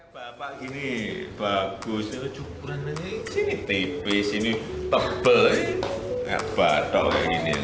bapak ini bagus ini cukuran ini tipis ini